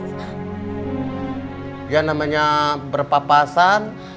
dia namanya berpapasan